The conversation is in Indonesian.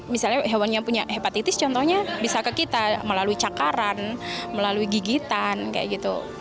misalnya hewan yang punya hepatitis contohnya bisa ke kita melalui cakaran melalui gigitan kayak gitu